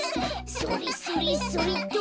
それそれそれっと。